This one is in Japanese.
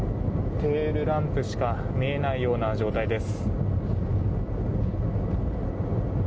テールランプしか見えないような状態です。